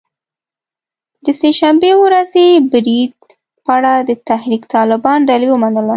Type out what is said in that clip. د سه شنبې ورځې برید پړه د تحریک طالبان ډلې ومنله